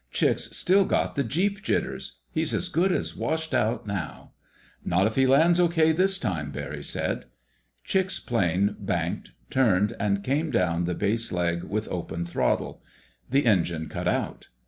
Chick's still got the jeep jitters. He's as good as washed out now." "Not if he lands okay this time," Barry said. Chick's plane banked, turned, and came down the base leg with open throttle. The engine cut out.